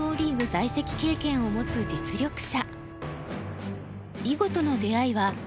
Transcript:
在籍経験を持つ実力者。